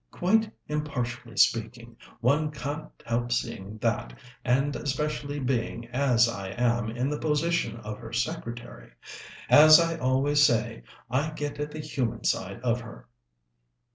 Quite impartially speaking, one can't help seeing that, and especially being, as I am, in the position of her secretary. As I always say, I get at the human side of her."